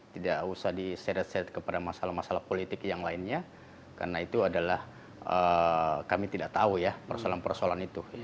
tidak usah diseret set kepada masalah masalah politik yang lainnya karena itu adalah kami tidak tahu ya persoalan persoalan itu